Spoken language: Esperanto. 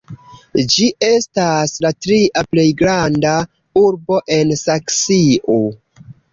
Ĝi estas la tria plej granda urbo en Saksio.